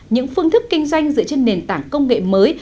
những phương thức kinh doanh dựa trên nền tảng công nghệ mới